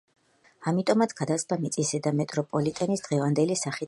ამიტომაც გადაწყდა მიწისზედა მეტროპოლიტენის დღევანდელი სახით აშენება.